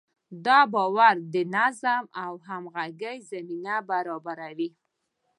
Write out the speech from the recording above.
دا باور د نظم او همغږۍ زمینه برابروي.